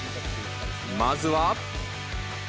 まずは。